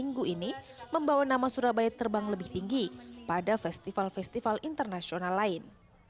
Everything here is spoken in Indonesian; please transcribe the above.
minggu ini membawa nama surabaya terbang lebih tinggi pada festival festival internasional lain